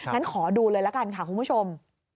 ก็ขอดูเลยแล้วกันค่ะคุณผู้ชม